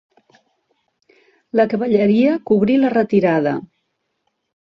La cavalleria cobrí la retirada.